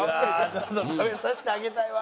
ちゃんと食べさせてあげたいわ。